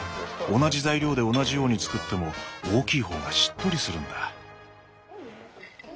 同じ材料で同じように作っても大きい方がしっとりするんだ。